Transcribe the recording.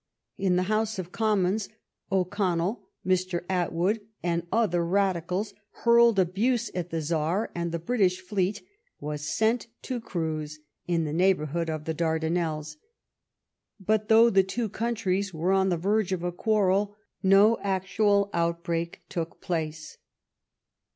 In the House of Commons, O'Connell, Mr. Attwood, and other Radicals, hurled abuse at the Czar, and the British fleet was sent to cruise in the neighbourhood of the Dardanelles ; but though the two countries were on the verge of a quarrel, no actual outbreak took place.